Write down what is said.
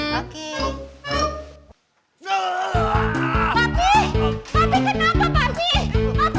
papi kenapa papi